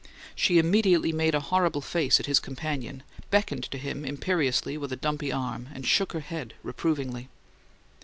She immediately made a horrible face at his companion, beckoned to him imperiously with a dumpy arm, and shook her head reprovingly.